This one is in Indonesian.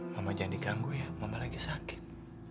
mama jangan diganggu ya mama lagi sakit